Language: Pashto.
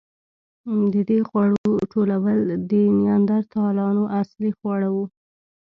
د دې خوړو ټولول د نیاندرتالانو اصلي خواړه وو.